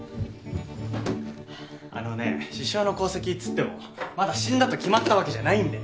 あのね獅子雄の功績っつってもまだ死んだと決まったわけじゃないんで。